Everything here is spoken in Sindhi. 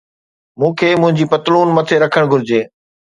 مون کي منهنجي پتلون مٿي رکڻ گهرجي